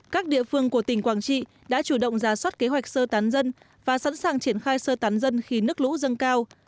các địa phương của tỉnh quảng trị đã chủ động ra soát kế hoạch sơ tán dân và sẵn sàng triển khai sơ tán dân khi nước lũ dâng cao